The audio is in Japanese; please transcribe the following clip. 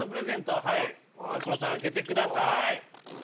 はい所さん開けてください。